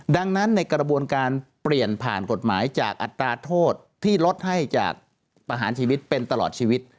ดังนั้นในกระบวนการเปลี่ยนผ่านกฎหมายจากอัตราโทษที่ลดให้จากประหารชีวิตเป็นตลอดชีวิต